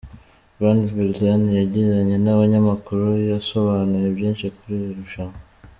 van Velzen yagiranye nabanyamakuru yasobanuye byinshi kuri iri rushanwa.